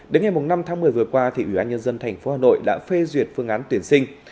đến ngày năm tháng một mươi vừa qua ủy ban nhân dân tp hà nội đã phê duyệt phương án tuyển sinh